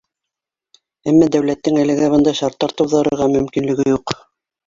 Әммә дәүләттең әлегә бындай шарттар тыуҙырырға мөмкинлеге юҡ.